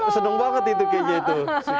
seneng banget itu kayaknya itu